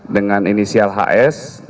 dengan inisial hs